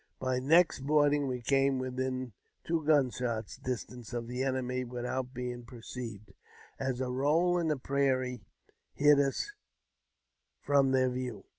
By next morning, we came within two gunshots' distance of the enemy without being perceived, as a roll in the prairie hid us from their view.